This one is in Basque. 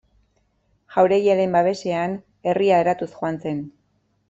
Jauregiaren babesean herria eratuz joan zen.